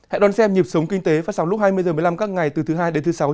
hãy đón xem nhịp sống kinh tế phát sóng lúc hai mươi h một mươi năm các ngày từ thứ hai đến thứ sáu